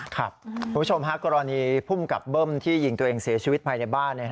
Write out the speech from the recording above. คุณผู้ชมฮะกรณีภูมิกับเบิ้มที่ยิงตัวเองเสียชีวิตภายในบ้าน